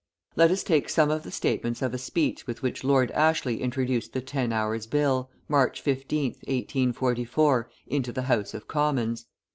Let us take some of the statements of a speech with which Lord Ashley introduced the Ten Hours' Bill, March 15th, 1844, into the House of Commons.